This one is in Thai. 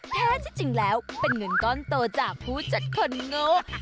แท้ที่จริงแล้วเป็นเงินก้อนโตจากผู้จัดคนโง